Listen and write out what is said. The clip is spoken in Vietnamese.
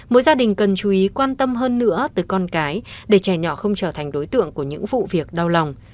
mỗi gia đình cần chú ý quan tâm hơn nữa tới con cái để trẻ nhỏ không trở thành đối tượng của những vụ việc đau lòng